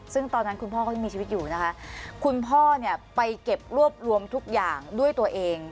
ซึ่งตอนนั้นคุณพ่อก็ยังมีชีวิตอยู่นะคะคุณพ่อเนี่ยไปเก็บรวบรวมทุกอย่างด้วยตัวเอง